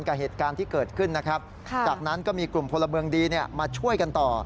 กับเหตุการณ์ที่เกิดขึ้นนะครับจากนั้นก็มีกลุ่มพลเมืองดีมาช่วยกันต่อ